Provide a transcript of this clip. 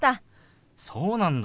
そうなんだ。